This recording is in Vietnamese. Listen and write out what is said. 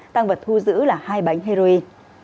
tăng vật thu giữ là hai bánh heroin